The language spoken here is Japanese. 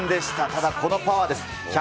ただこのパワーです。